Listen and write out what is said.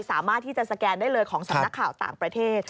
สามารถที่จะสแกนได้เลยของสำนักข่าวต่างประเทศ